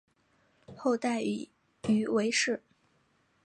后代以鱼为氏。